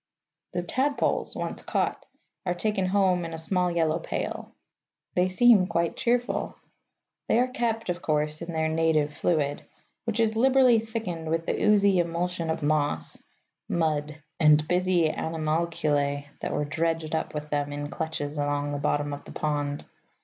The tadpoles, once caught, are taken home in a small yellow pail. They seem quite cheerful. They are kept, of course, in their native fluid, which is liberally thickened with the oozy emulsion of moss, mud, and busy animalculæ that were dredged up with them in clutches along the bottom of the pond.